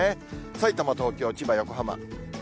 さいたま、東京、千葉、横浜。